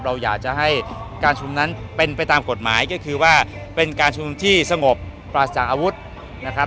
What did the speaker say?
เราอยากจะให้การชุมนั้นเป็นไปตามกฎหมายก็คือว่าเป็นการชุมนุมที่สงบปราศจากอาวุธนะครับ